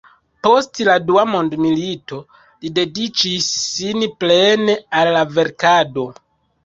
Post la Dua mondmilito li dediĉis sin plene al la verkado.